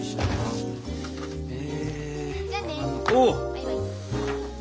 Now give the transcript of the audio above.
バイバイ。